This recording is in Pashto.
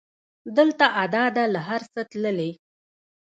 دلته ادا ده له هر څه تللې